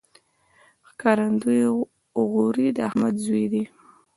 ښکارندوی غوري د احمد زوی دﺉ.